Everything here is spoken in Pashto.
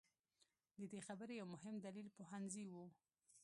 د دې خبرې یو مهم دلیل پوهنځي وو.